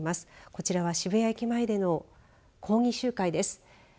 こちらは渋谷駅前での抗議集会です。